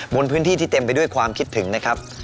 บนพื้นที่ที่เต็มไปด้วยความคิดถึงนะครับ